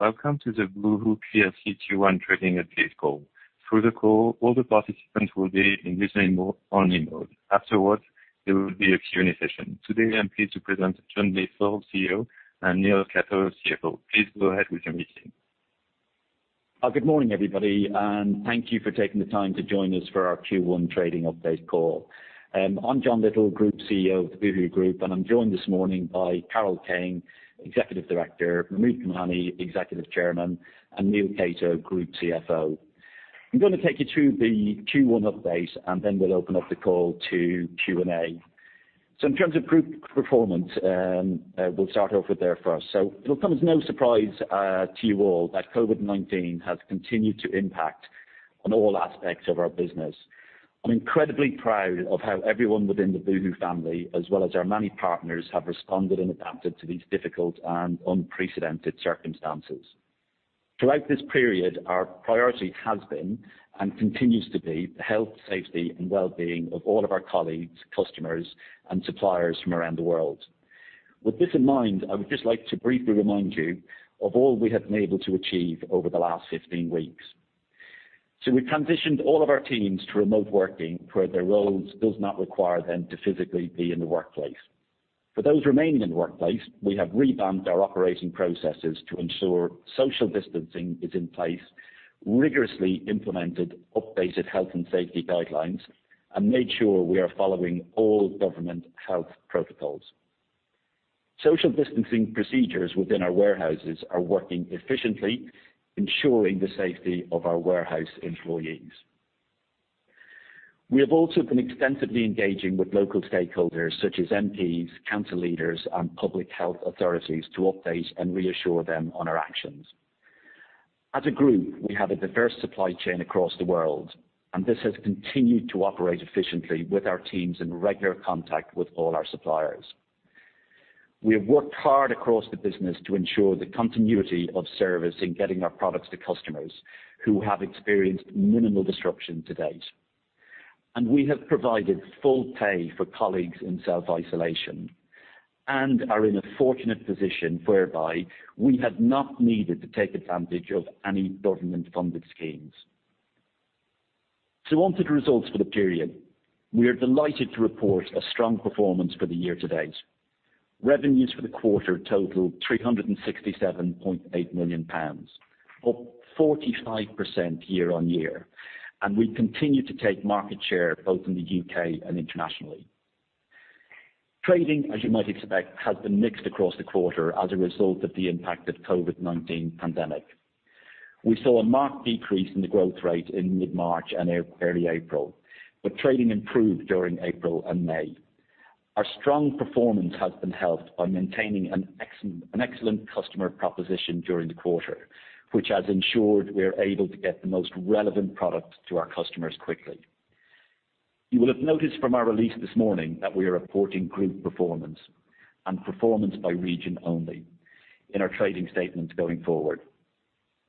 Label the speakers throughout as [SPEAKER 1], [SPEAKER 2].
[SPEAKER 1] Welcome to the Boohoo PLC Q1 trading update call. Throughout the call, all the participants will be in listen-only mode. Afterwards, there will be a Q and A session. Today, I'm pleased to present John Lyttle, CEO, and Neil Catto, CFO. Please go ahead with your meeting.
[SPEAKER 2] Good morning, everybody, and thank you for taking the time to join us for our Q1 trading update call. I'm John Lyttle, Group CEO of the Boohoo Group, and I'm joined this morning by Carol Kane, Executive Director, Mahmud Kamani, Executive Chairman, and Neil Catto, Group CFO. I'm gonna take you through the Q1 update, and then we'll open up the call to Q&A. So in terms of group performance, we'll start off with there first. So it'll come as no surprise to you all that COVID-19 has continued to impact on all aspects of our business. I'm incredibly proud of how everyone within the Boohoo family, as well as our many partners, have responded and adapted to these difficult and unprecedented circumstances. Throughout this period, our priority has been, and continues to be, the health, safety, and wellbeing of all of our colleagues, customers, and suppliers from around the world. With this in mind, I would just like to briefly remind you of all we have been able to achieve over the last 15 weeks. We've transitioned all of our teams to remote working, where their roles does not require them to physically be in the workplace. For those remaining in the workplace, we have revamped our operating processes to ensure social distancing is in place, rigorously implemented updated health and safety guidelines, and made sure we are following all government health protocols. Social distancing procedures within our warehouse are working efficiently, ensuring the safety of our warehouse employees. We have also been extensively engaging with local stakeholders such as MPs, council leaders, and public health authorities to update and reassure them on our actions. As a group, we have a diverse supply chain across the world, and this has continued to operate efficiently with our teams in regular contact with all our suppliers. We have worked hard across the business to ensure the continuity of service in getting our products to customers, who have experienced minimal disruption to date. We have provided full pay for colleagues in self-isolation and are in a fortunate position whereby we have not needed to take advantage of any government-funded schemes. On to the results for the period. We are delighted to report a strong performance for the year to date. Revenues for the quarter totaled 367.8 million pounds, up 45% year-on-year, and we continue to take market share both in the UK and internationally. Trading, as you might expect, has been mixed across the quarter as a result of the impact of COVID-19 pandemic. We saw a marked decrease in the growth rate in mid-March and early April, but trading improved during April and May. Our strong performance has been helped by maintaining an excellent customer proposition during the quarter, which has ensured we are able to get the most relevant products to our customers quickly. You will have noticed from our release this morning that we are reporting group performance and performance by region only in our trading statements going forward.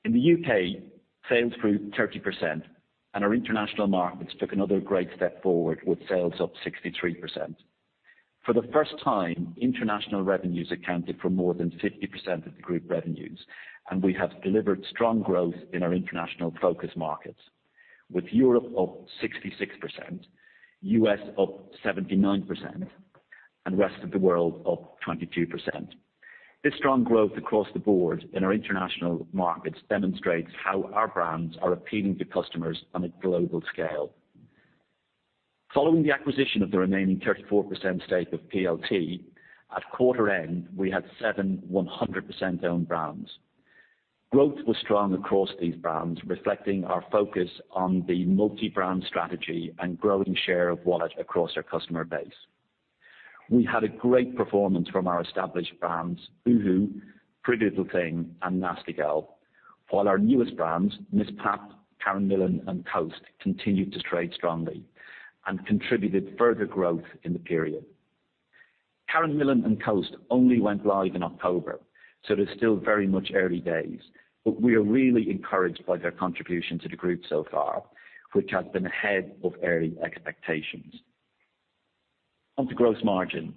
[SPEAKER 2] In the UK, sales grew 30%, and our international markets took another great step forward with sales up 63%. For the first time, international revenues accounted for more than 50% of the group revenues, and we have delivered strong growth in our international focus markets, with Europe up 66%, US up 79%, and rest of the world up 22%. This strong growth across the board in our international markets demonstrates how our brands are appealing to customers on a global scale. Following the acquisition of the remaining 34% stake of PLT, at quarter end, we had seven 100%-owned brands. Growth was strong across these brands, reflecting our focus on the multi-brand strategy and growing share of wallet across our customer base. We had a great performance from our established brands, Boohoo, PrettyLittleThing, and Nasty Gal, while our newest brands, MissPap, Karen Millen, and Coast, continued to trade strongly and contributed further growth in the period. Karen Millen and Coast only went live in October, so it is still very much early days, but we are really encouraged by their contribution to the group so far, which has been ahead of early expectations. On to gross margin.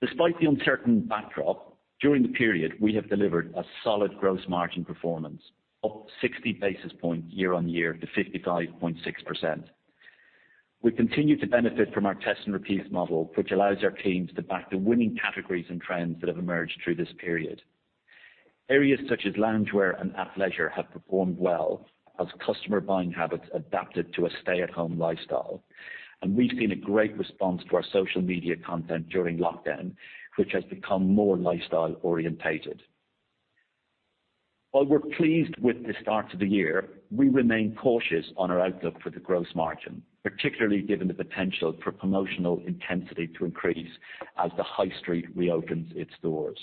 [SPEAKER 2] Despite the uncertain backdrop, during the period, we have delivered a solid gross margin performance, up 60 basis points year-on-year to 55.6%. We continue to benefit from our test and repeat model, which allows our teams to back the winning categories and trends that have emerged through this period. Areas such as loungewear and athleisure have performed well as customer buying habits adapted to a stay-at-home lifestyle. We've seen a great response to our social media content during lockdown, which has become more lifestyle-oriented. While we're pleased with the start to the year, we remain cautious on our outlook for the gross margin, particularly given the potential for promotional intensity to increase as the high street reopens its doors.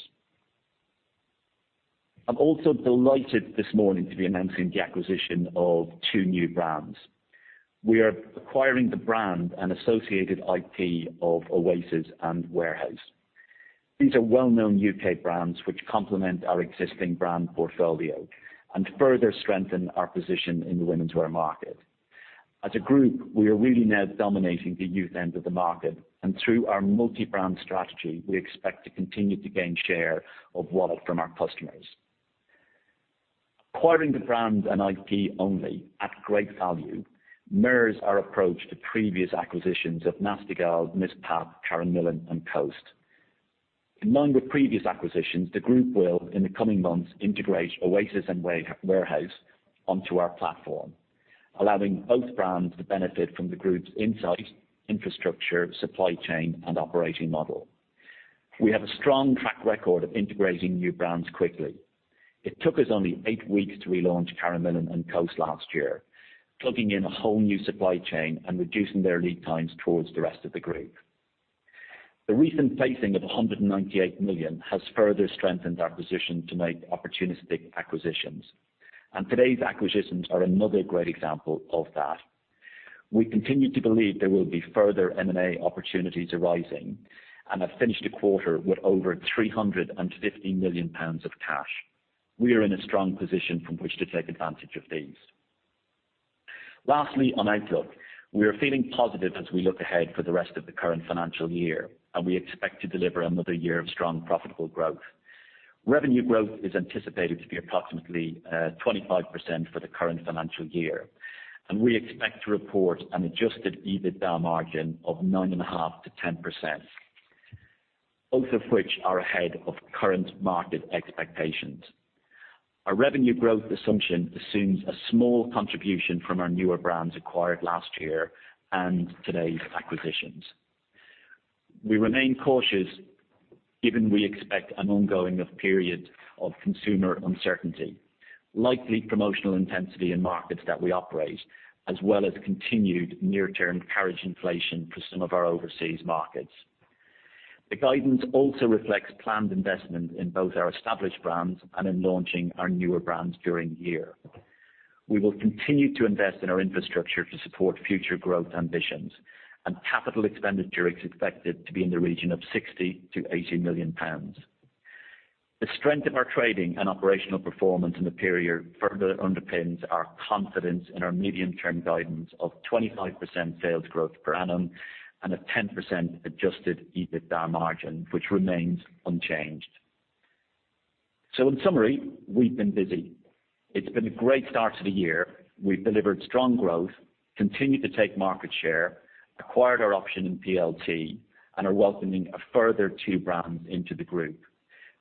[SPEAKER 2] I'm also delighted this morning to be announcing the acquisition of two new brands. We are acquiring the brand and associated IP of Oasis and Warehouse. These are well-known U.K. brands which complement our existing brand portfolio and further strengthen our position in the womenswear market... As a group, we are really now dominating the youth end of the market, and through our multi-brand strategy, we expect to continue to gain share of wallet from our customers. Acquiring the brand and IP only at great value mirrors our approach to previous acquisitions of Nasty Gal, MissPap, Karen Millen and Coast. In line with previous acquisitions, the group will, in the coming months, integrate Oasis and Warehouse onto our platform, allowing both brands to benefit from the group's insight, infrastructure, supply chain, and operating model. We have a strong track record of integrating new brands quickly. It took us only eight weeks to relaunch Karen Millen and Coast last year, plugging in a whole new supply chain and reducing their lead times towards the rest of the group. The recent placing of 198 million has further strengthened our position to make opportunistic acquisitions, and today's acquisitions are another great example of that. We continue to believe there will be further M&A opportunities arising, and have finished a quarter with over 350 million pounds of cash. We are in a strong position from which to take advantage of these. Lastly, on outlook, we are feeling positive as we look ahead for the rest of the current financial year, and we expect to deliver another year of strong, profitable growth. Revenue growth is anticipated to be approximately 25% for the current financial year, and we expect to report an adjusted EBITDA margin of 9.5%-10%, both of which are ahead of current market expectations. Our revenue growth assumption assumes a small contribution from our newer brands acquired last year and today's acquisitions. We remain cautious, given we expect an ongoing period of consumer uncertainty, likely promotional intensity in markets that we operate, as well as continued near-term carriage inflation for some of our overseas markets. The guidance also reflects planned investment in both our established brands and in launching our newer brands during the year. We will continue to invest in our infrastructure to support future growth ambitions, and capital expenditure is expected to be in the region of 60 million-80 million pounds. The strength of our trading and operational performance in the period further underpins our confidence in our medium-term guidance of 25% sales growth per annum and a 10% adjusted EBITDA margin, which remains unchanged. In summary, we've been busy. It's been a great start to the year. We've delivered strong growth, continued to take market share, acquired our option in PLT, and are welcoming a further two brands into the group,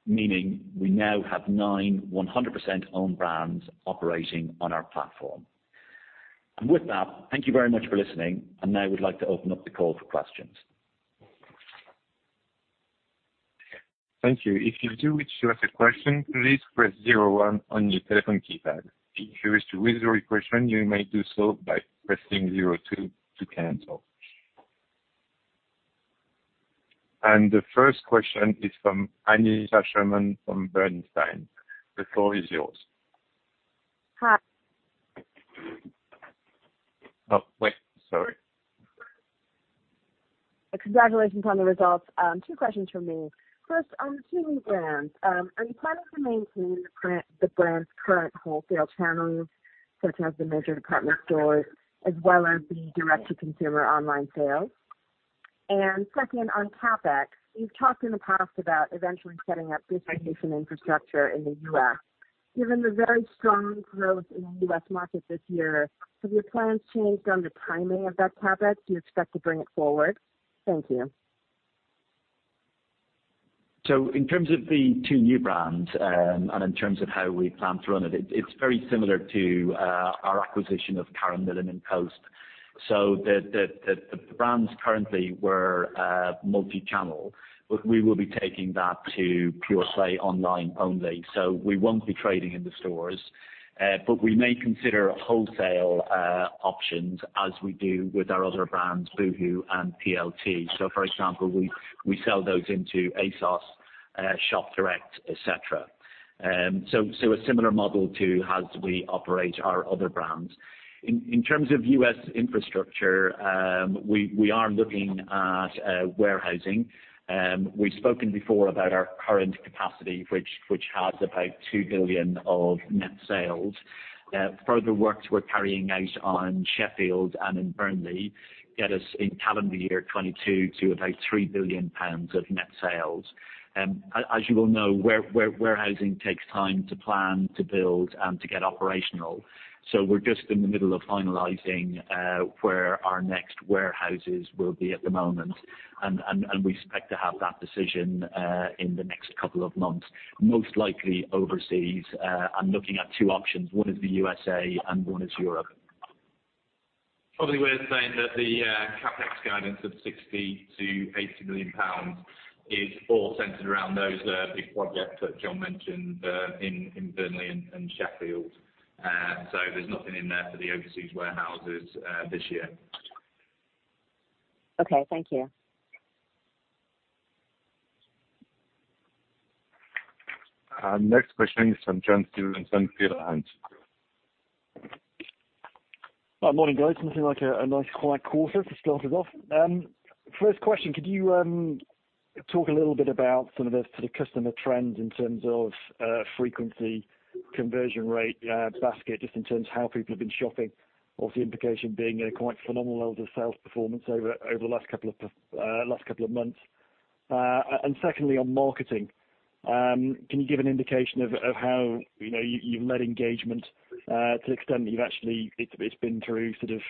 [SPEAKER 2] meaning we now have nine 100% owned brands operating on our platform. And with that, thank you very much for listening, and now we'd like to open up the call for questions.
[SPEAKER 1] Thank you. If you do wish to ask a question, please press zero one on your telephone keypad. If you wish to withdraw your question, you may do so by pressing zero two to cancel. The first question is from Aneesha Sherman from Bernstein. The floor is yours.
[SPEAKER 3] Hi.
[SPEAKER 1] Oh, wait. Sorry.
[SPEAKER 3] Congratulations on the results. Two questions from me. First, on the two new brands, are you planning to maintain the brand, the brand's current wholesale channels, such as the major department stores, as well as the direct-to-consumer online sales? And second, on CapEx, you've talked in the past about eventually setting up distribution infrastructure in the U.S. Given the very strong growth in the U.S. market this year, have your plans changed on the timing of that CapEx? Do you expect to bring it forward? Thank you.
[SPEAKER 2] So in terms of the two new brands, and in terms of how we plan to run it, it's very similar to our acquisition of Karen Millen and Coast. So the brands currently were multi-channel, but we will be taking that to pure play online only. So we won't be trading in the stores, but we may consider wholesale options as we do with our other brands, Boohoo and PLT. So for example, we sell those into ASOS, Shop Direct, etc. So a similar model to how we operate our other brands. In terms of U.S. infrastructure, we are looking at warehousing. We've spoken before about our current capacity, which has about 2 billion of net sales. Further works we're carrying out on Sheffield and in Burnley get us, in calendar year 2022, to about 3 billion pounds of net sales. As you well know, warehousing takes time to plan, to build, and to get operational. So we're just in the middle of finalizing where our next warehouses will be at the moment. And we expect to have that decision in the next couple of months, most likely overseas, and looking at two options. One is the USA, and one is Europe.
[SPEAKER 4] Probably worth saying that the CapEx guidance of 60 million-80 million pounds is all centered around those big projects that John mentioned in Burnley and Sheffield. So there's nothing in there for the overseas warehouses this year.
[SPEAKER 3] Okay. Thank you.
[SPEAKER 1] Next question is from John Stevenson.
[SPEAKER 5] Morning, guys. Looking like a nice, quiet quarter to start us off. First question: could you talk a little bit about some of the sort of customer trends in terms of frequency, conversion rate, basket, just in terms of how people have been shopping, or the implication being a quite phenomenal level of sales performance over the last couple of months. And secondly, on marketing, can you give an indication of how, you know, you've led engagement to the extent that it's been through sort of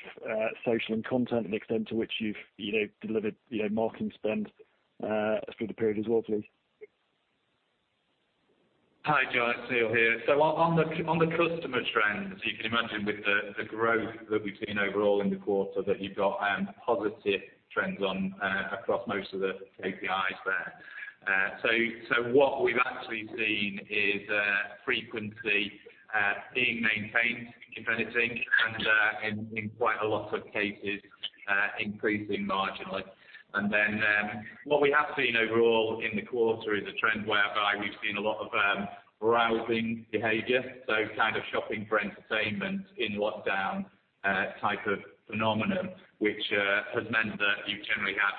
[SPEAKER 5] social and content, and the extent to which you've, you know, delivered, you know, marketing spend through the period as well, please?
[SPEAKER 4] Hi, John, it's Neil here. So on the customer trends, you can imagine with the growth that we've seen overall in the quarter, that you've got positive trends on across most of the KPIs there. So what we've actually seen is frequency being maintained, if anything, and in quite a lot of cases increasing marginally. And then what we have seen overall in the quarter is a trend whereby we've seen a lot of browsing behavior, so kind of shopping for entertainment in lockdown type of phenomenon, which has meant that you generally have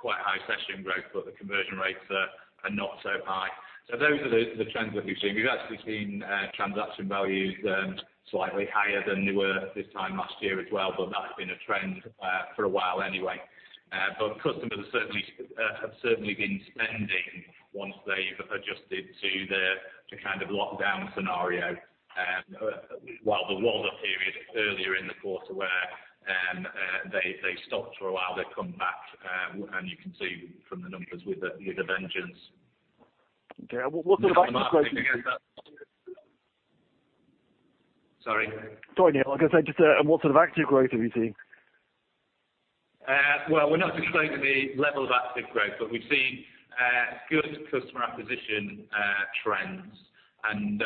[SPEAKER 4] quite high session growth, but the conversion rates are not so high. So those are the trends that we've seen. We've actually seen transaction values slightly higher than they were this time last year as well, but that's been a trend for a while anyway. But customers have certainly been spending once they've adjusted to the kind of lockdown scenario. While there was a period earlier in the quarter where they stopped for a while, they've come back and you can see from the numbers with a vengeance.
[SPEAKER 5] Okay. And what sort of active growth-
[SPEAKER 4] Sorry?
[SPEAKER 5] Sorry, Neil. Like I said, just, what sort of active growth have you seen?
[SPEAKER 4] Well, we're not disclosing the level of active growth, but we've seen good customer acquisition trends. And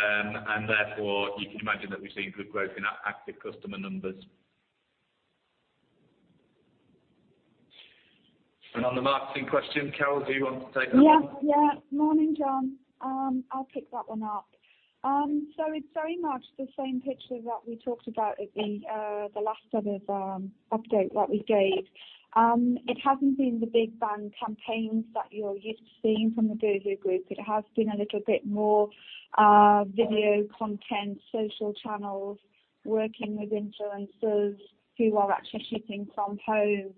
[SPEAKER 4] therefore, you can imagine that we've seen good growth in active customer numbers. And on the marketing question, Carol, do you want to take that?
[SPEAKER 6] Yeah, yeah. Morning, John. I'll pick that one up. So it's very much the same picture that we talked about at the last set of update that we gave. It hasn't been the big bang campaigns that you're used to seeing from the Boohoo Group. It has been a little bit more video content, social channels, working with influencers who are actually shipping from home.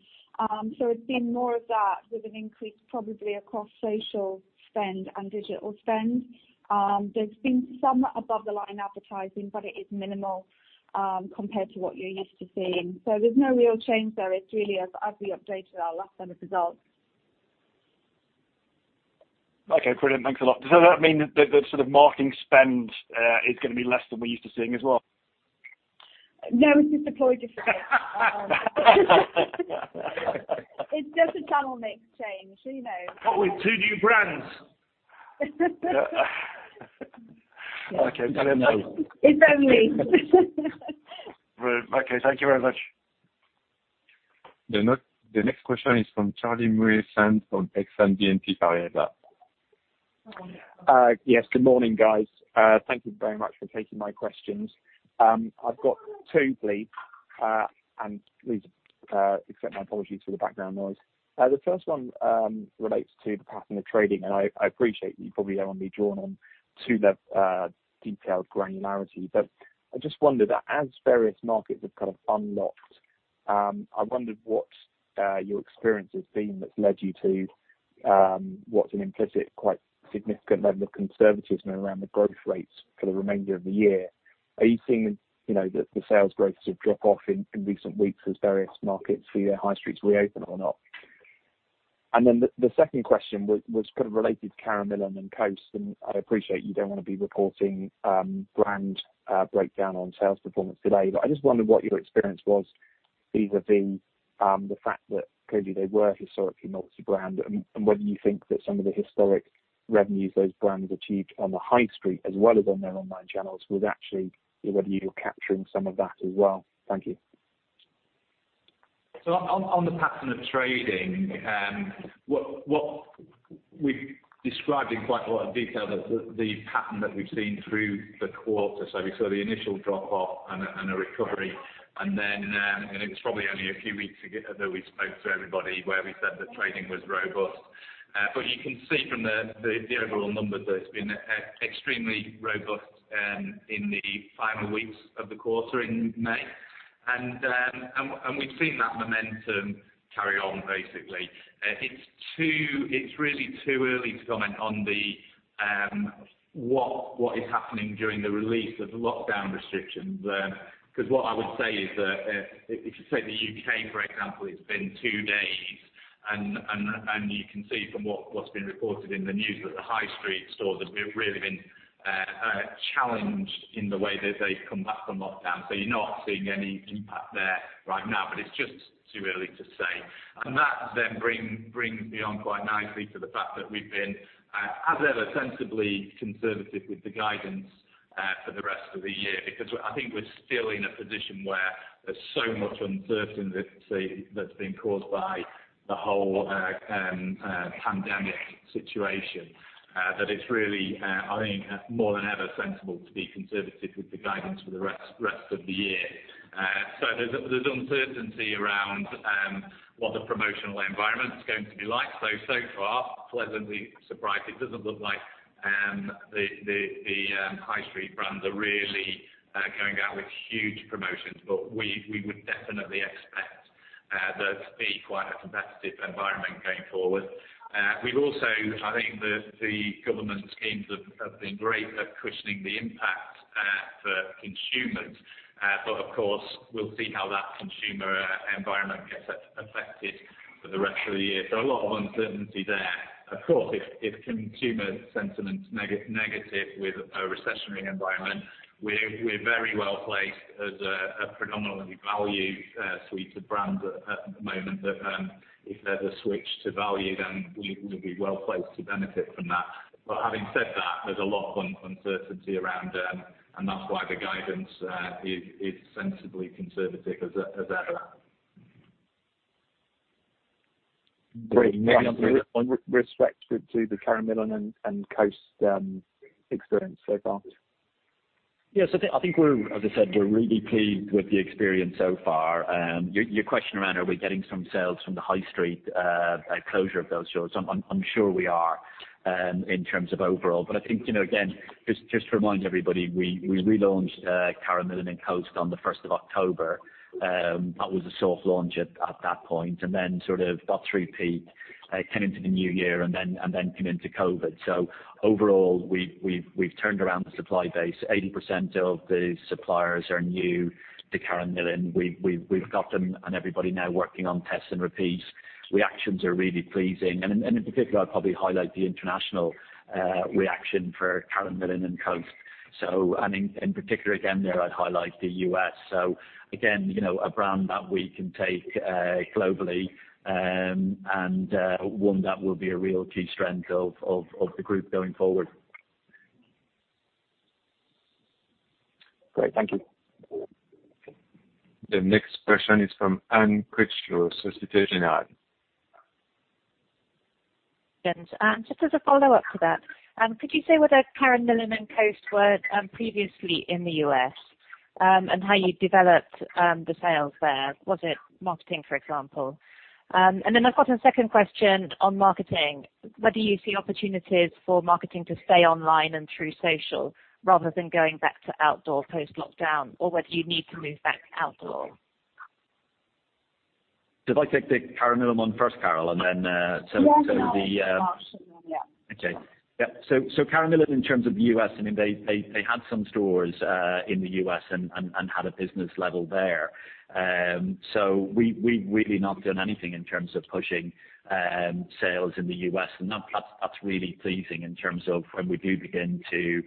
[SPEAKER 6] So it's been more of that with an increase, probably across social spend and digital spend. There's been some above the line advertising, but it is minimal compared to what you're used to seeing. So there's no real change there. It's really as we updated our last set of results.
[SPEAKER 5] Okay, brilliant. Thanks a lot. Does that mean that the sort of marketing spend is gonna be less than we're used to seeing as well?
[SPEAKER 6] No, it's just deployed differently. It's just a channel mix change, you know.
[SPEAKER 4] But with two new brands!
[SPEAKER 5] Okay, brilliant.
[SPEAKER 6] It's only me.
[SPEAKER 5] Right. Okay, thank you very much.
[SPEAKER 1] The next question is from Charlie Muir-Sands of Exane BNP Paribas.
[SPEAKER 7] Yes, good morning, guys. Thank you very much for taking my questions. I've got two, please, and please accept my apologies for the background noise. The first one relates to the pattern of trading, and I appreciate you probably don't want to be drawn on to the detailed granularity, but I just wondered that as various markets have kind of unlocked, I wondered what your experience has been that's led you to what's an implicit, quite significant level of conservatism around the growth rates for the remainder of the year. Are you seeing, you know, the sales growth sort of drop off in recent weeks as various markets see their high streets reopen or not? And then the second question was kind of related to Karen Millen and Coast, and I appreciate you don't want to be reporting brand breakdown on sales performance today, but I just wondered what your experience was vis-à-vis the fact that clearly they were historically multi-brand, and whether you think that some of the historic revenues those brands achieved on the high street, as well as on their online channels, was actually whether you're capturing some of that as well. Thank you.
[SPEAKER 4] So on the pattern of trading, what we've described in quite a lot of detail, the pattern that we've seen through the quarter, so we saw the initial drop off and a recovery, and then. And it was probably only a few weeks ago that we spoke to everybody, where we said that trading was robust. But you can see from the overall numbers that it's been extremely robust in the final weeks of the quarter in May. And we've seen that momentum carry on, basically. It's really too early to comment on what is happening during the release of the lockdown restrictions. Because what I would say is that, if you take the UK, for example, it's been two days, and you can see from what's been reported in the news that the high street stores have really been challenged in the way that they've come back from lockdown. So you're not seeing any impact there right now, but it's just too early to say. And that then brings me on quite nicely to the fact that we've been, as ever, sensibly conservative with the guidance for the rest of the year. Because I think we're still in a position where there's so much uncertainty that's been caused by the whole pandemic situation that it's really, I think, more than ever sensible to be conservative with the guidance for the rest of the year. So there's uncertainty around what the promotional environment is going to be like. So far pleasantly surprised. It doesn't look like the high street brands are really going out with huge promotions, but we would definitely expect there to be quite a competitive environment going forward. We've also – I think the government schemes have been great at cushioning the impact for consumers, but of course, we'll see how that consumer environment gets affected for the rest of the year. So a lot of uncertainty there. Of course, if consumer sentiment's negative with a recessionary environment, we're very well placed as a predominantly value suite of brands at the moment. But if there's a switch to value, then we'll be well placed to benefit from that. But having said that, there's a lot of uncertainty around. And that's why the guidance is sensibly conservative as ever.
[SPEAKER 7] Great. With respect to, to the Karen Millen and, and Coast, experience so far?
[SPEAKER 2] Yes, I think we're -- As I said, we're really pleased with the experience so far. Your question around are we getting some sales from the high street closure of those stores, I'm sure we are, in terms of overall. But I think, you know, again, just to remind everybody, we relaunched Karen Millen and Coast on the first of October. That was a soft launch at that point, and then sort of got through peak, came into the new year and then came into COVID. So overall, we've turned around the supply base. 80% of the suppliers are new to Karen Millen. We've got them and everybody now working on test and repeat. Reactions are really pleasing. In particular, I'd probably highlight the international reaction for Karen Millen and Coast. So, in particular again, there I'd highlight the US. So again, you know, a brand that we can take globally, and one that will be a real key strength of the group going forward.
[SPEAKER 7] Great. Thank you.
[SPEAKER 1] The next question is from Anne Critchlow, Société Générale.
[SPEAKER 8] Just as a follow-up to that, could you say whether Karen Millen and Coast were previously in the U.S., and how you developed the sales there? Was it marketing, for example? Then I've got a second question on marketing. Whether you see opportunities for marketing to stay online and through social, rather than going back to outdoor post-lockdown, or whether you need to move back to outdoor.
[SPEAKER 2] Did I take the Karen Millen one first, Carol, and then, so the-
[SPEAKER 8] Yeah.
[SPEAKER 2] Okay. Yeah. So Karen Millen, in terms of the U.S., I mean, they had some stores in the U.S. and had a business level there. So we've really not done anything in terms of pushing sales in the U.S., and that's really pleasing in terms of when we do begin to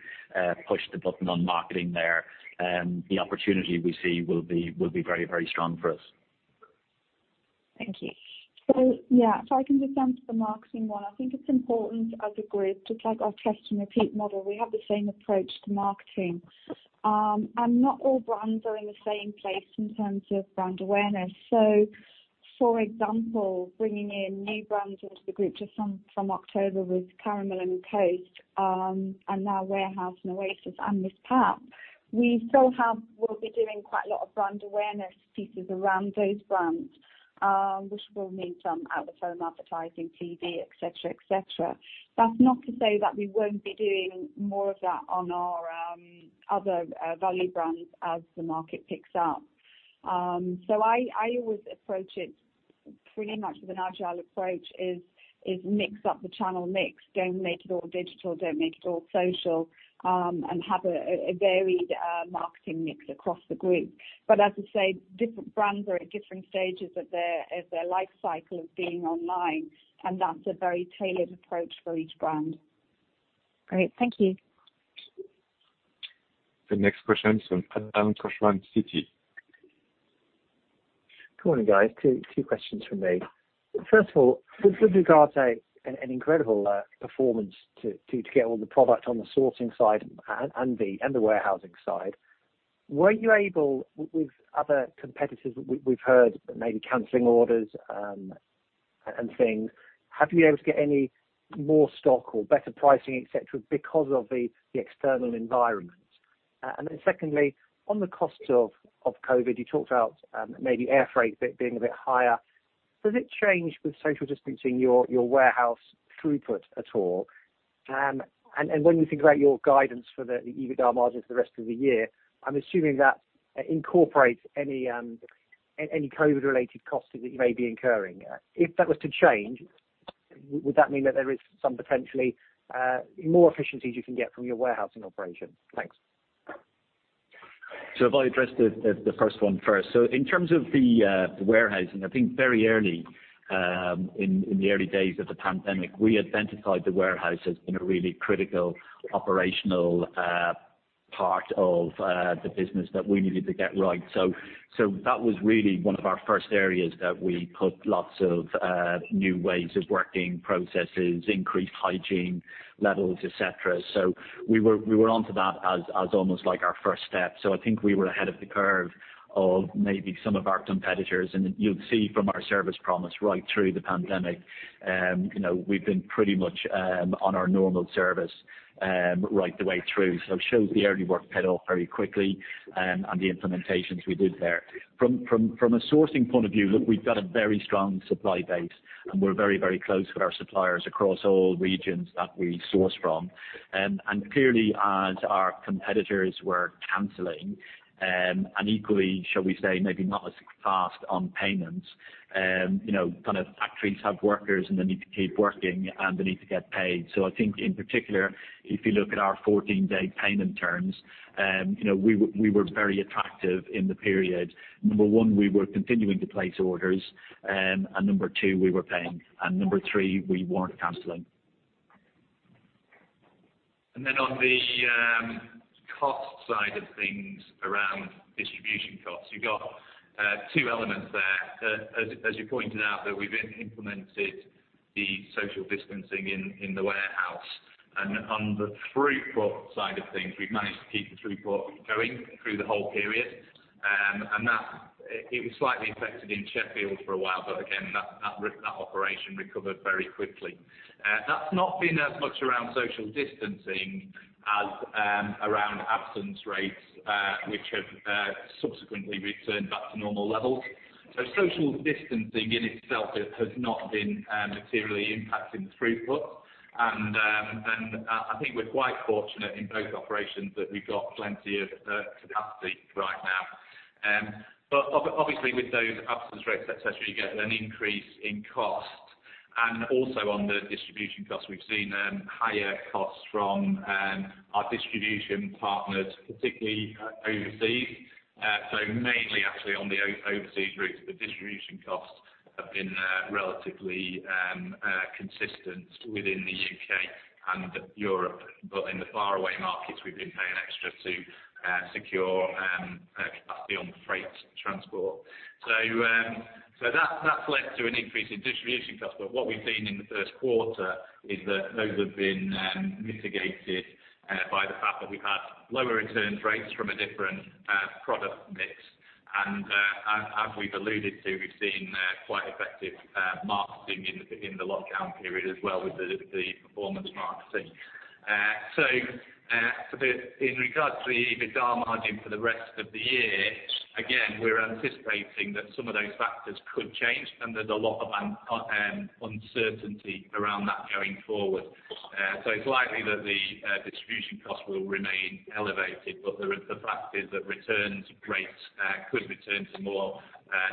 [SPEAKER 2] push the button on marketing there, the opportunity we see will be very, very strong for us.
[SPEAKER 8] Thank you.
[SPEAKER 6] So yeah, if I can just answer the marketing one. I think it's important as a group, just like our test and repeat model, we have the same approach to marketing. And not all brands are in the same place in terms of brand awareness. So, for example, bringing in new brands into the group, just from October with Karen Millen and Coast, and now Warehouse and Oasis and MissPap, we still have -- we'll be doing quite a lot of brand awareness pieces around those brands, which will mean some out-of-home advertising, TV, et cetera, et cetera. That's not to say that we won't be doing more of that on our other value brands as the market picks up. So I always approach it pretty much with an agile approach, is mix up the channel mix. Don't make it all digital, don't make it all social, and have a varied marketing mix across the group. But as I say, different brands are at different stages of their life cycle of being online, and that's a very tailored approach for each brand.
[SPEAKER 8] Great. Thank you.
[SPEAKER 1] The next question is from Adam Cochrane, Citi.
[SPEAKER 9] Good morning, guys. 2 questions from me. First of all, good regards to an incredible performance to get all the product on the sourcing side and the warehousing side. Were you able with other competitors, we've heard maybe canceling orders and things. Have you been able to get any more stock or better pricing, et cetera, because of the external environment? And then secondly, on the costs of COVID, you talked about maybe air freight being a bit higher. Does it change with social distancing your warehouse throughput at all? And when you think about your guidance for the EBITDA margins for the rest of the year, I'm assuming that incorporates any COVID-related costs that you may be incurring. If that was to change, would that mean that there is some potentially more efficiencies you can get from your warehousing operation? Thanks.
[SPEAKER 2] So if I address the first one first. So in terms of the warehousing, I think very early in the early days of the pandemic, we identified the warehouse as being a really critical operational part of the business that we needed to get right. So that was really one of our first areas that we put lots of new ways of working, processes, increased hygiene levels, et cetera. So we were onto that as almost like our first step. So I think we were ahead of the curve of maybe some of our competitors. And you'll see from our service promise right through the pandemic, you know, we've been pretty much on our normal service right the way through. So it shows the early work paid off very quickly, and the implementations we did there. From a sourcing point of view, look, we've got a very strong supply base, and we're very, very close with our suppliers across all regions that we source from. And clearly, as our competitors were canceling, and equally, shall we say, maybe not as fast on payments, you know, kind of factories have workers, and they need to keep working, and they need to get paid. So I think in particular, if you look at our 14-day payment terms, you know, we were, we were very attractive in the period. Number one, we were continuing to place orders, and number two, we were paying, and number three, we weren't canceling.
[SPEAKER 4] And then on the cost side of things around distribution costs, you've got two elements there. As you pointed out, that we've implemented the social distancing in the warehouse. And on the throughput side of things, we've managed to keep the throughput going through the whole period, and that it was slightly affected in Sheffield for a while, but again, that operation recovered very quickly. That's not been as much around social distancing as around absence rates, which have subsequently returned back to normal levels. So social distancing in itself has not been materially impacting the throughput. And I think we're quite fortunate in both operations that we've got plenty of capacity right now. But obviously, with those absence rates, et cetera, you get an increase in cost. And also, on the distribution costs, we've seen higher costs from our distribution partners, particularly overseas. So mainly actually on the overseas routes, the distribution costs have been relatively consistent within the UK and Europe. But in the far away markets, we've been paying extra to secure capacity on freight transport. So that's led to an increase in distribution cost, but what we've seen in the first quarter is that those have been mitigated by the fact that we've had lower returns rates from a different product mix. And as we've alluded to, we've seen quite effective marketing in the lockdown period as well with the performance marketing. In regards to the EBITDA margin for the rest of the year, again, we're anticipating that some of those factors could change, and there's a lot of uncertainty around that going forward. So it's likely that the distribution costs will remain elevated, but the fact is that returns rates could return to more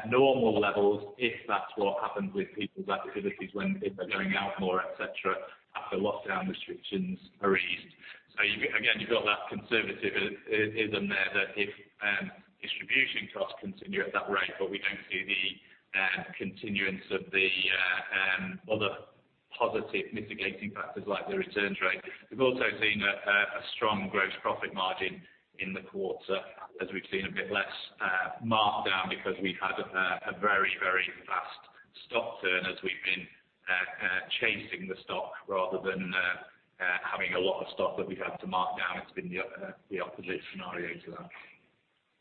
[SPEAKER 4] normal levels if that's what happens with people's activities when people are going out more, et cetera, after lockdown restrictions are eased. So you've—again, you've got that conservative is in there, that if distribution costs continue at that rate, but we don't see the continuance of the other positive mitigating factors like the returns rate. We've also seen a strong gross profit margin in the quarter, as we've seen a bit less markdown because we've had a very, very fast stock turn as we've been chasing the stock rather than having a lot of stock that we've had to mark down. It's been the opposite scenario to that.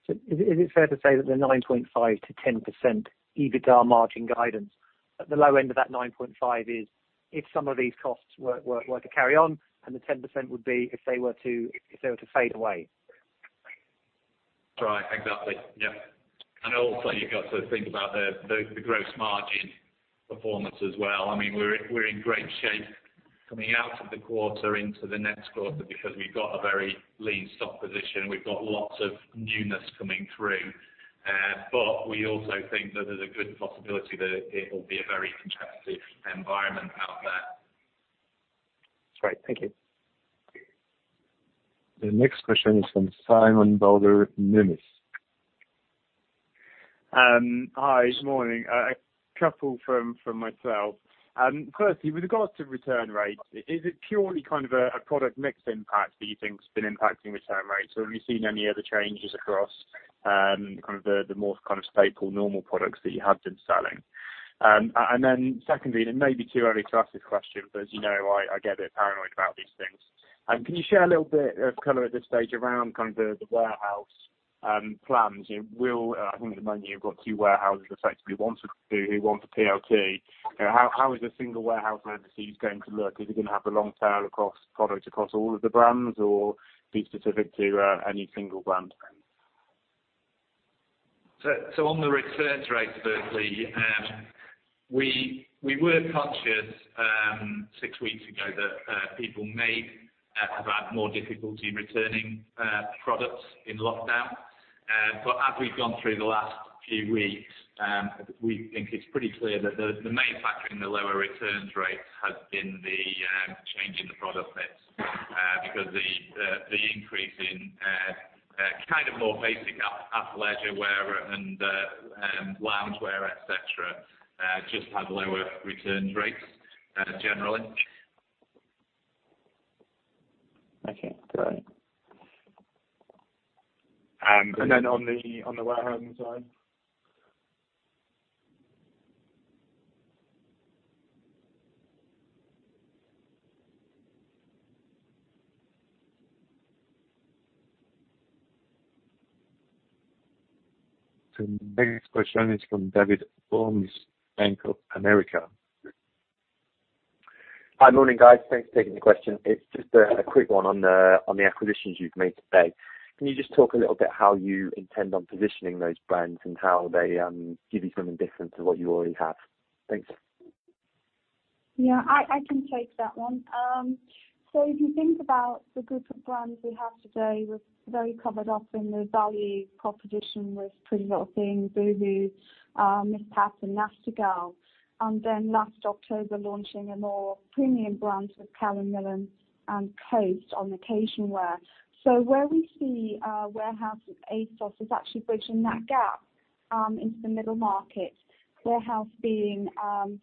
[SPEAKER 2] So is it fair to say that the 9.5%-10% EBITDA margin guidance, at the low end of that 9.5% is, if some of these costs were to carry on, and the 10% would be if they were to fade away?
[SPEAKER 4] Right. Exactly, yeah. And also, you've got to think about the gross margin performance as well. I mean, we're in great shape coming out of the quarter into the next quarter because we've got a very lean stock position. We've got lots of newness coming through. But we also think that there's a good possibility that it will be a very competitive environment out there.
[SPEAKER 9] That's right. Thank you.
[SPEAKER 1] The next question is from Simon Bowler, Numis. Hi, good morning. A couple from myself. Firstly, with regards to return rates, is it purely kind of a product mix impact that you think has been impacting return rates, or have you seen any other changes across kind of the more kind of staple normal products that you have been selling? And then secondly, it may be too early to ask this question, but as you know, I get a bit paranoid about these things. Can you share a little bit of color at this stage around kind of the warehouse plans? I think at the moment you've got two warehouses, effectively one for Boohoo and one for PLT. How is the single warehouse for overseas going to look? Is it gonna have a long tail across products across all of the brands or be specific to any single brand?
[SPEAKER 4] So on the returns rate, firstly, we were conscious six weeks ago that people may have had more difficulty returning products in lockdown. But as we've gone through the last few weeks, we think it's pretty clear that the main factor in the lower returns rate has been the change in the product mix. Because the increase in kind of more basic athleisure wear and loungewear, et cetera just had lower return rates, generally.
[SPEAKER 10] Okay, great.
[SPEAKER 4] Um, and- And then on the Warehouse side?
[SPEAKER 1] The next question is from David Holmes, Bank of America.
[SPEAKER 11] Hi, morning, guys. Thanks for taking the question. It's just a quick one on the acquisitions you've made today. Can you just talk a little bit how you intend on positioning those brands and how they give you something different to what you already have? Thanks.
[SPEAKER 6] Yeah, I can take that one. So if you think about the group of brands we have today, we're very covered up in the value proposition with PrettyLittleThing, Boohoo, MissPap, and Nasty Gal. And then last October, launching a more premium brand with Karen Millen and Coast on occasion wear. So where we see Warehouse with ASOS is actually bridging that gap into the middle market. Warehouse being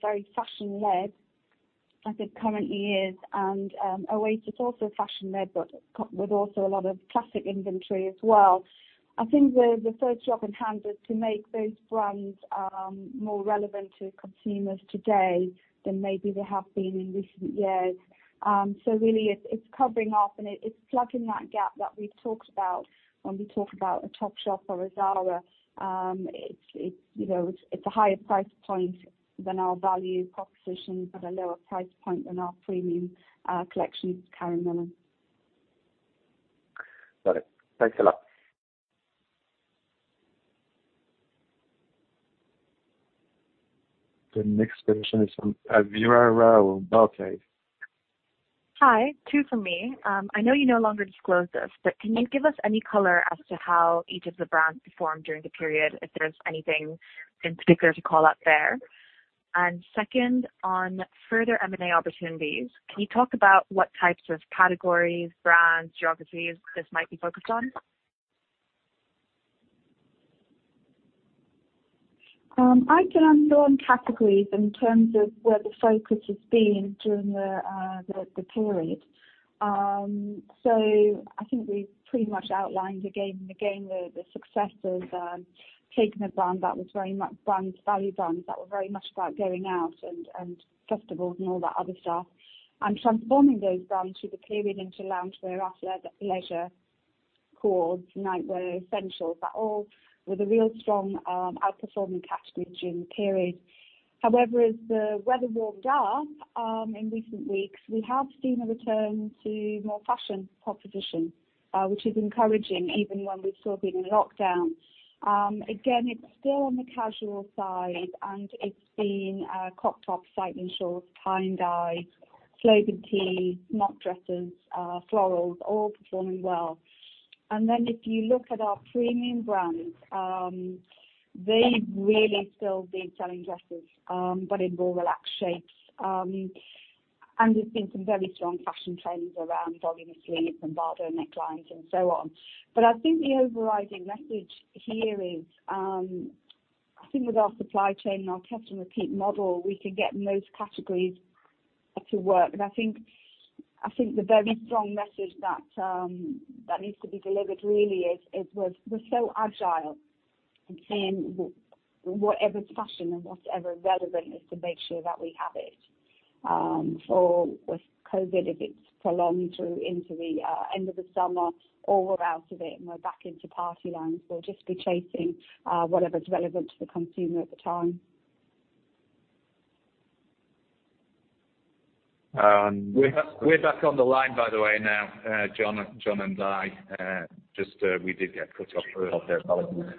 [SPEAKER 6] very fashion-led as it currently is, and Oasis also fashion-led, but with also a lot of classic inventory as well. I think the first job in hand is to make those brands more relevant to consumers today than maybe they have been in recent years. So really, it's covering off, and it's plugging that gap that we've talked about when we talk about a Topshop or a Zara. It's, you know, a higher price point than our value proposition, but a lower price point than our premium collection, Karen Millen.
[SPEAKER 11] Got it. Thanks a lot.
[SPEAKER 1] The next question is from Vera Raul, Barclays.
[SPEAKER 12] Hi, two from me. I know you no longer disclose this, but can you give us any color as to how each of the brands performed during the period, if there's anything in particular to call out there? And second, on further M&A opportunities, can you talk about what types of categories, brands, geographies this might be focused on?
[SPEAKER 6] I can handle on categories in terms of where the focus has been during the period. So I think we've pretty much outlined again and again the success of taking a brand that was very much brand-value brands, that were very much about going out and festivals and all that other stuff, and transforming those brands through the period into loungewear, athleisure clothes, nightwear, essentials, that all were the real strong outperforming categories during the period. However, as the weather warmed up, in recent weeks, we have seen a return to more fashion proposition, which is encouraging, even when we've still been in lockdown. Again, it's still on the casual side, and it's been crop tops, cycling shorts, tie-dye, slogan tees, smock dresses, florals, all performing well. And then if you look at our premium brands, they've really still been selling dresses, but in more relaxed shapes. There've been some very strong fashion trends around voluminous sleeves and Bardot necklines and so on. But I think the overriding message here is, I think with our supply chain and our test-and-repeat model, we can get most categories to work. And I think the very strong message that needs to be delivered really is, we're so agile in seeing whatever's fashion and whatever relevant is to make sure that we have it. Or with COVID, if it's prolonged through into the end of the summer or we're out of it and we're back into party lines, we'll just be chasing whatever's relevant to the consumer at the time.
[SPEAKER 4] We're back, we're back on the line, by the way, now, John and I. Just, we did get cut off earlier.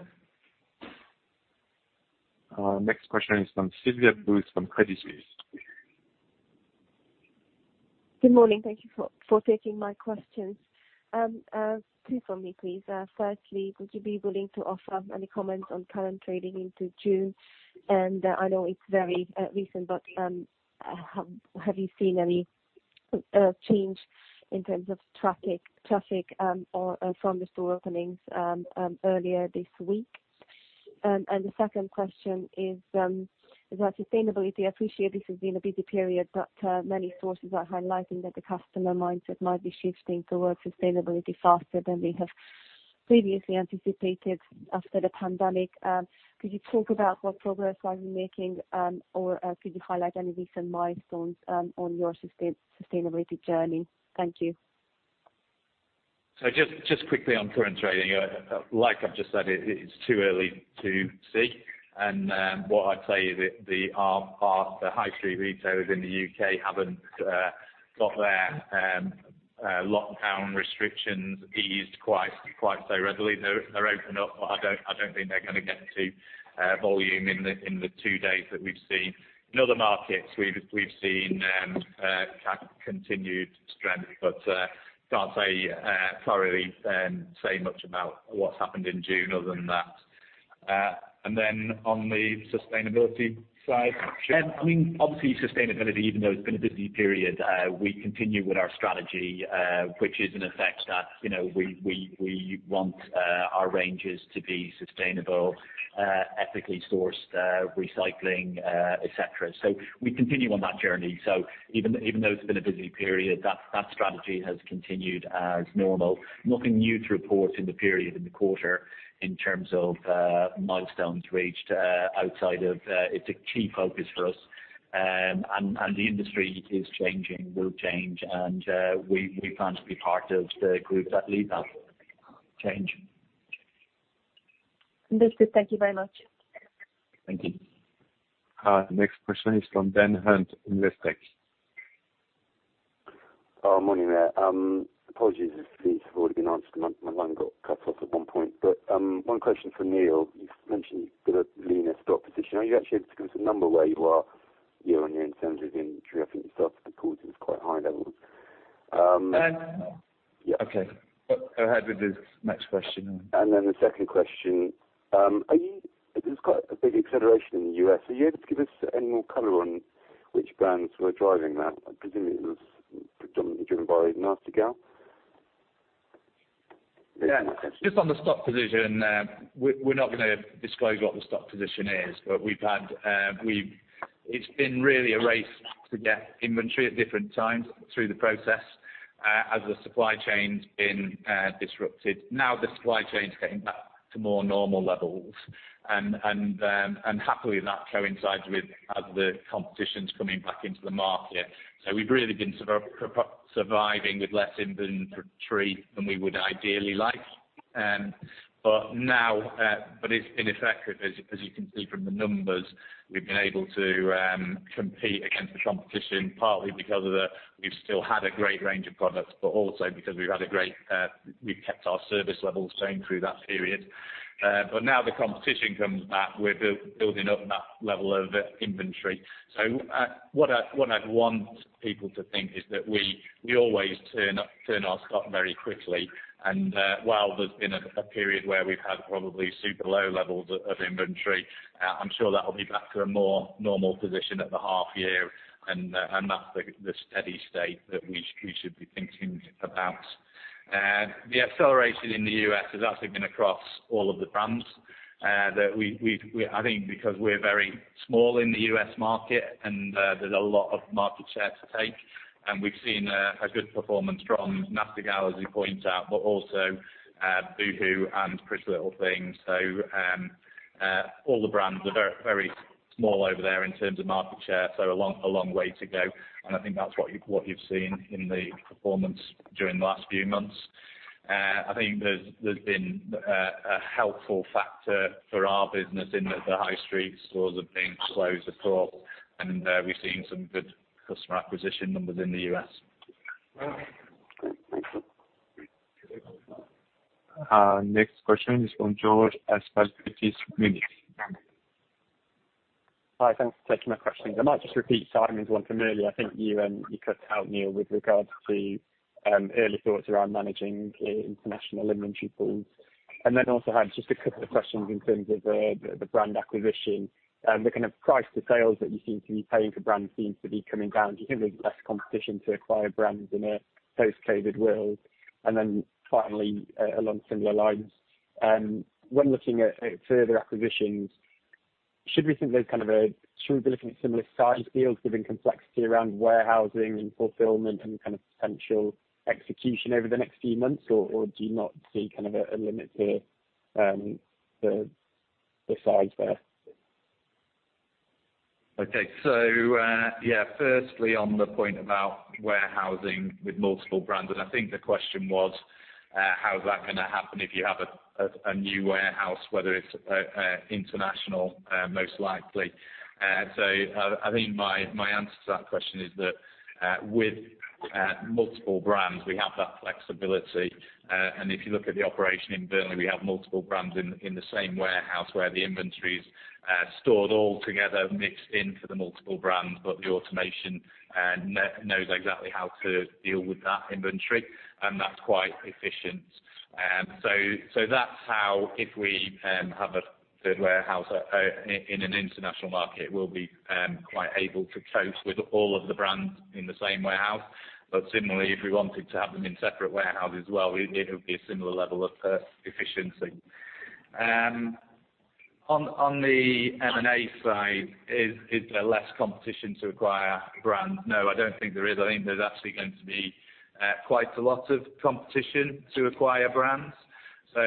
[SPEAKER 1] Next question is from Silvia Cuneo from Deutsche Bank.
[SPEAKER 13] Good morning. Thank you for taking my questions. Two for me, please. Firstly, would you be willing to offer any comment on current trading into June? And I know it's very recent, but have you seen any change in terms of traffic or from the store openings earlier this week? And the second question is about sustainability. I appreciate this has been a busy period, but many sources are highlighting that the customer mindset might be shifting towards sustainability faster than we have previously anticipated after the pandemic. Could you talk about what progress are you making, or could you highlight any recent milestones on your sustainability journey? Thank you.
[SPEAKER 4] So just quickly on current trading, like I've just said, it's too early to see. What I'd say is that the high street retailers in the UK haven't got their lockdown restrictions eased quite so readily. They're open up, but I don't think they're gonna get to volume in the two days that we've seen. In other markets, we've seen continued strength, but can't say thoroughly say much about what's happened in June other than that.... and then on the sustainability side? I mean, obviously, sustainability, even though it's been a busy period, we continue with our strategy, which is in effect that, you know, we want our ranges to be sustainable, ethically sourced, recycling, et cetera. So we continue on that journey. So even though it's been a busy period, that strategy has continued as normal. Nothing new to report in the period, in the quarter, in terms of milestones reached, outside of, it's a key focus for us. And the industry is changing, will change, and we plan to be part of the group that lead that change.
[SPEAKER 13] Understood. Thank you very much.
[SPEAKER 4] Thank you.
[SPEAKER 1] Next question is from Ben Hunt, Investec.
[SPEAKER 14] Morning there. Apologies if these have already been answered. My line got cut off at one point. But, one question for Neil. You've mentioned the leaner stock position. Are you actually able to give us a number where you are year on year in terms of inventory? I think you started the call it was quite high levels.
[SPEAKER 4] And- Yeah. Okay. Go ahead with the next question.
[SPEAKER 14] Then the second question, are you-- There's quite a big acceleration in the U.S. Are you able to give us any more color on which brands were driving that? I presume it was predominantly driven by Nasty Gal.
[SPEAKER 4] Yeah. Just on the stock position, we're not gonna disclose what the stock position is, but we've had. It's been really a race to get inventory at different times through the process, as the supply chain's been disrupted. Now, the supply chain is getting back to more normal levels, and happily, that coincides with as the competition's coming back into the market. So we've really been surviving with less inventory than we would ideally like. But now, but it's effective, as you can see from the numbers, we've been able to compete against the competition, partly because of the... We've still had a great range of products, but also because we've had a great, we've kept our service levels going through that period. But now the competition comes back, we're building up that level of inventory. So, what I'd want people to think is that we always turn up, turn our stock very quickly. And while there's been a period where we've had probably super low levels of inventory, I'm sure that'll be back to a more normal position at the half year, and that's the steady state that we should be thinking about. The acceleration in the U.S. has actually been across all of the brands that we've—I think because we're very small in the U.S. market, and there's a lot of market share to take, and we've seen a good performance from Nasty Gal, as you point out, but also Boohoo and PrettyLittleThing. So, all the brands are very, very small over there in terms of market share, so a long, a long way to go, and I think that's what you, what you've seen in the performance during the last few months. I think there's, there's been a, a helpful factor for our business in that the high street stores are being closed a lot, and, we've seen some good customer acquisition numbers in the U.S.
[SPEAKER 1] Next question is from Georgina Johanan, J.P. Morgan.
[SPEAKER 15] Hi, thanks for taking my questions. I might just repeat Simon's one from earlier. I think you, you cut out, Neil, with regards to, early thoughts around managing international inventory pools. And then also had just a couple of questions in terms of the brand acquisition, the kind of price to sales that you seem to be paying for brands seems to be coming down. Do you think there's less competition to acquire brands in a post-COVID world? And then finally, along similar lines, when looking at further acquisitions, should we think there's kind of a... Should we be looking at similar size deals, given complexity around warehousing and fulfillment and kind of potential execution over the next few months? Or do you not see kind of a, a limit to, the size there?
[SPEAKER 4] Okay. So, yeah, firstly, on the point about warehousing with multiple brands, and I think the question was, how is that gonna happen if you have a new warehouse, whether it's international, most likely. So I think my answer to that question is that, with multiple brands, we have that flexibility. And if you look at the operation in Burnley, we have multiple brands in the same warehouse, where the inventory is stored all together, mixed in for the multiple brands, but the automation knows exactly how to deal with that inventory, and that's quite efficient. So that's how, if we have a warehouse in an international market, we'll be quite able to cope with all of the brands in the same warehouse. But similarly, if we wanted to have them in separate warehouses as well, it would be a similar level of efficiency. On the M&A side, is there less competition to acquire brands? No, I don't think there is. I think there's actually going to be quite a lot of competition to acquire brands. So,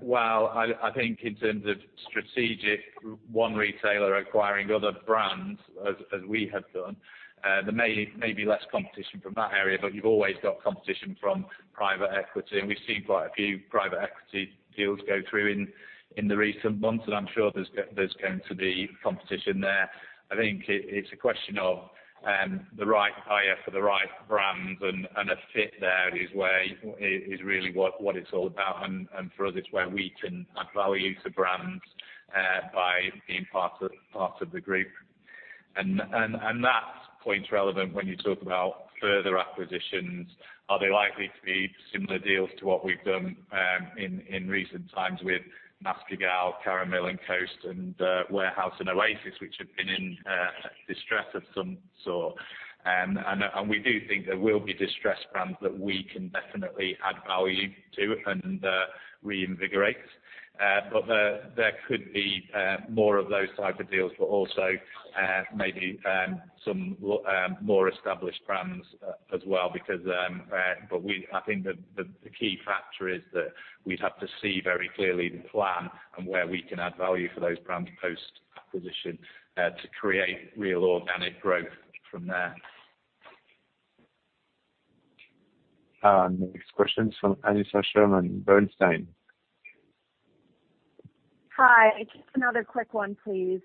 [SPEAKER 4] while I think in terms of strategic, one retailer acquiring other brands, as we have done, there may be less competition from that area, but you've always got competition from private equity, and we've seen quite a few private equity deals go through in the recent months, and I'm sure there's going to be competition there. I think it's a question of the right buyer for the right brand and a fit there is where it is really what it's all about, and for us, it's where we can add value to brands-... by being part of the group. And that point's relevant when you talk about further acquisitions. Are they likely to be similar deals to what we've done in recent times with Nasty Gal, Karen Millen and Coast, and Warehouse and Oasis, which have been in distress of some sort? And we do think there will be distressed brands that we can definitely add value to and reinvigorate. But there could be more of those type of deals, but also maybe some more established brands as well. Because but we—I think the key factor is that we'd have to see very clearly the plan and where we can add value for those brands post-acquisition to create real organic growth from there.
[SPEAKER 1] Next question is from Aneesha Sherman, Bernstein.
[SPEAKER 3] Hi, just another quick one, please.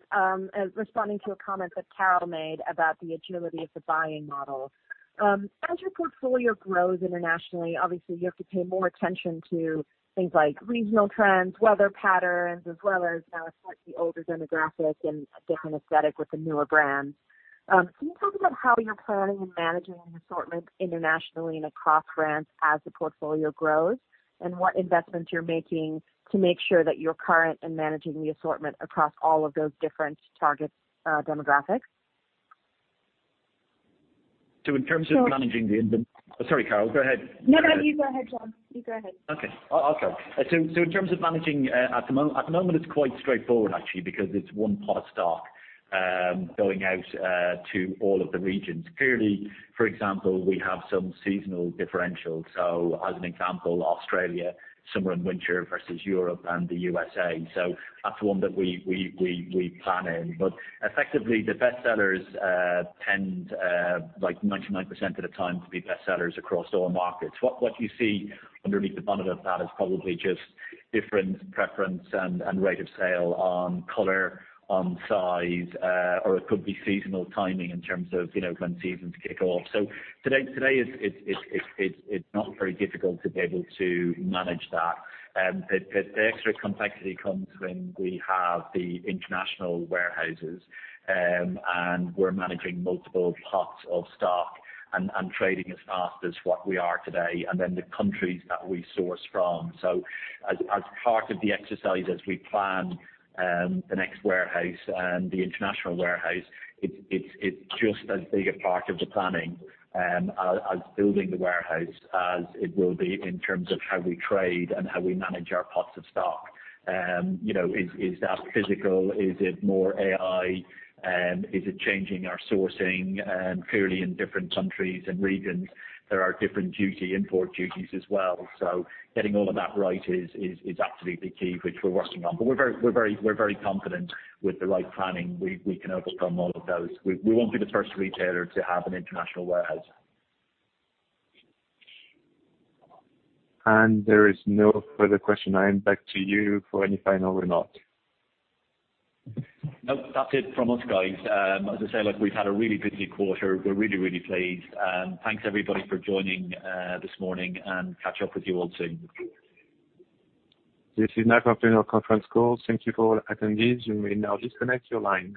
[SPEAKER 3] Responding to a comment that Carol made about the agility of the buying model. As your portfolio grows internationally, obviously, you have to pay more attention to things like regional trends, weather patterns, as well as, you know, slightly older demographics and a different aesthetic with the newer brands. Can you talk about how you're planning and managing the assortment internationally and across brands as the portfolio grows? And what investments you're making to make sure that you're current in managing the assortment across all of those different target demographics?
[SPEAKER 2] So in terms of- So-... Sorry, Carol, go ahead.
[SPEAKER 3] No, no, you go ahead, John. You go ahead.
[SPEAKER 2] Okay. I'll go. So in terms of managing at the moment, it's quite straightforward actually, because it's one pot of stock going out to all of the regions. Clearly, for example, we have some seasonal differentials. So as an example, Australia, summer and winter versus Europe and the USA. So that's one that we plan in. But effectively, the best sellers tend like 99% of the time to be best sellers across all markets. What you see underneath the bonnet of that is probably just different preference and rate of sale on color, on size, or it could be seasonal timing in terms of, you know, when seasons kick off. So today, it's not very difficult to be able to manage that. The extra complexity comes when we have the international warehouses, and we're managing multiple pots of stock and trading as fast as what we are today, and then the countries that we source from. So as part of the exercise, as we plan the next warehouse and the international warehouse, it's just as big a part of the planning as building the warehouse, as it will be in terms of how we trade and how we manage our pots of stock. You know, is that physical? Is it more AI? Is it changing our sourcing? Clearly in different countries and regions, there are different duty, import duties as well. So getting all of that right is absolutely key, which we're working on. But we're very confident with the right planning. We can overcome all of those. We won't be the first retailer to have an international warehouse.
[SPEAKER 1] There is no further question. I am back to you for any final remarks.
[SPEAKER 2] Nope, that's it from us, guys. As I say, look, we've had a really busy quarter. We're really, really pleased. Thanks, everybody, for joining this morning, and catch up with you all soon.
[SPEAKER 1] This is now concluding our conference call. Thank you for all attendees. You may now disconnect your lines.